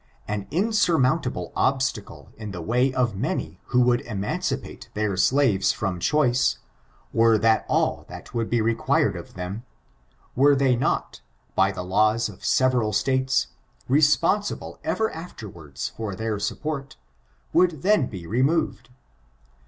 An insurmountable obstacle in the way of many who would emancipate their slaves from choice, were that all that would be required of them, were they not, by the laws of their several States, responsible ever afterwards for their support, would then be removed.